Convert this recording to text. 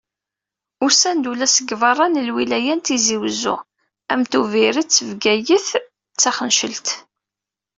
Usan-d ula seg beṛṛa n lwilaya n Tizi Uzzu, am Tubiret, Bgayet d Txencelt.